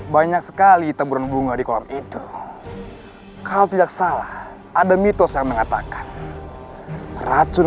banyak sekali taburan bunga di kolam itu kalau tidak salah ada mitos yang mengatakan racun